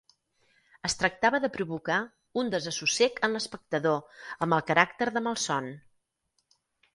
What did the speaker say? Es tractava de provocar un desassossec en l'espectador amb el caràcter de malson.